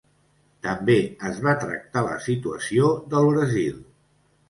També es va tractar la situació del Brasil.